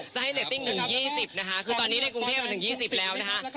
จะให้เรตติ้งถึง๒๐นะคะคือตอนนี้ในกรุงเทพมาถึง๒๐แล้วนะคะ